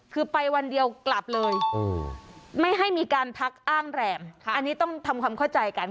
คือไปวันเดียวกลับเลยไม่ให้มีการทักอ้างแรมอันนี้ต้องทำความเข้าใจกัน